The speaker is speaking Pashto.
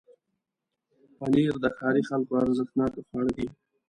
پنېر د ښاري خلکو ارزښتناکه خواړه دي.